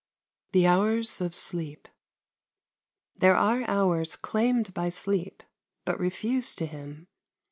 THE HOURS OF SLEEP There are hours claimed by Sleep, but refused to him.